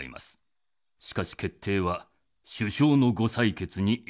しかし決定は首相のご裁決に一任します。